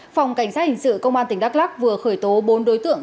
phòng cảnh sát hình sự công an tỉnh đắk lắc vừa khởi tố bốn đối tượng